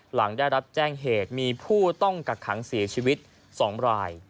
หลังได้รับแจ้งเหตุมีผู้ต้องกักขังเสียชีวิต๒ราย